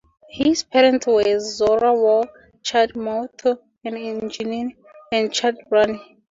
His parents were Zorawar Chand Mathur, an engineer, and Chand Rani.